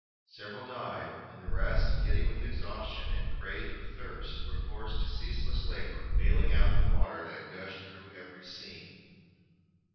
Several died, and the rest, giddy with exhaustion and crazed with thirst, were forced to ceaseless labor, bailing out the water that gushed through every seam.